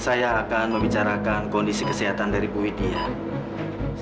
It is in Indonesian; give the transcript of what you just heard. saya akan membicarakan kondisi kesehatan dari ibu idyas